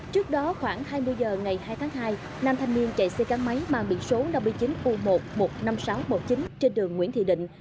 trước đó khoảng hai mươi h ngày hai tháng hai nam thanh niên chạy xe gắn máy mang biển số năm mươi chín u một một mươi năm nghìn sáu trăm một mươi chín trên đường nguyễn thị định